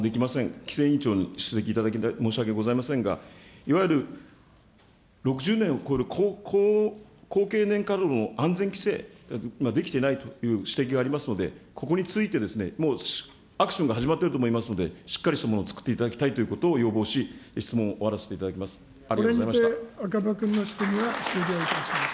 規制委員長に引き続き、申し訳ございませんが、いわゆる６０年を超える高経年化炉の安全規制ができていないという指摘がありますので、ここについて、もう、アクションが始まっていると思いますので、しっかりしたものをつくっていただきたいということを要望し、質問終わらせていただきたいと思います。